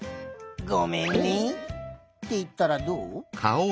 「ごめんね」っていったらどう？